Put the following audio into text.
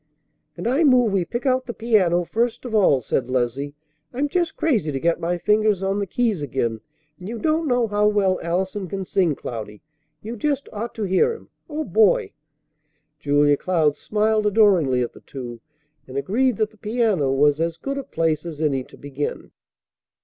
"And I move we pick out the piano first of all," said Leslie. "I'm just crazy to get my fingers on the keys again, and you don't know how well Allison can sing, Cloudy. You just ought to hear him. Oh, boy!" Julia Cloud smiled adoringly at the two, and agreed that the piano was as good a place as any to begin.